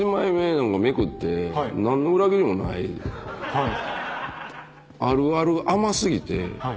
はい。